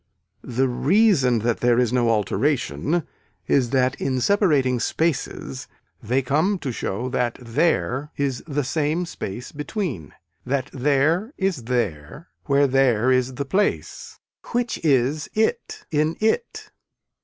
The reason that there is no alteration is that in separating spaces they come to show that there is the same space between that there is there where there is the place which is it in it.